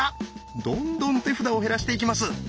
どんどん手札を減らしていきます。